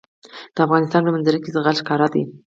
د افغانستان په منظره کې زغال ښکاره ده.